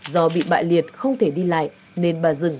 do bị bại liệt không thể đi lại nên bà rừng